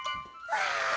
わあ！